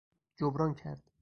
جبران کرد